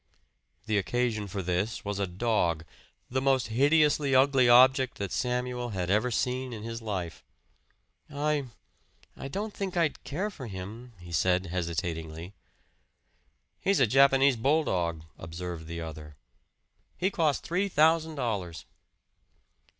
The occasion for this was a dog, the most hideously ugly object that Samuel had ever seen in his life. "I I don't think I'd care for him," he said hesitatingly. "He's a Japanese bulldog," observed the other. "He cost three thousand dollars."